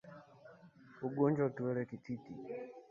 Ugonjwa wa kiwele Kititi